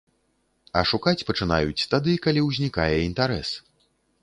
А шукаць пачынаюць тады, калі ўзнікае інтарэс.